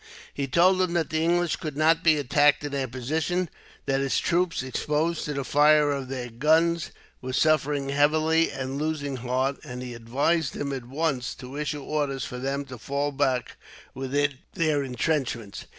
He told him that the English could not be attacked in their position; that his troops, exposed to the fire of their guns, were suffering heavily and losing heart; and he advised him, at once, to issue orders for them to fall back within their intrenchments.